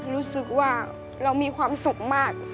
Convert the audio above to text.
รู้สึกว่าเรามีความสุขมาก